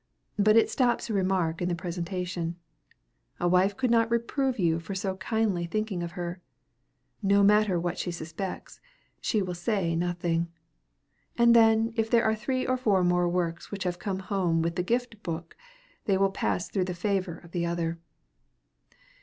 But it stops remark in the presentation. A wife could not reprove you for so kindly thinking of her. No matter what she suspects, she will say nothing. And then if there are three or four more works which have come home with the gift book they will pass through the favor of the other.